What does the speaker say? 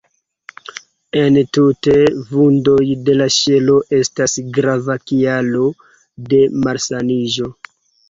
Entute, vundoj de la ŝelo estas grava kialo de malsaniĝo.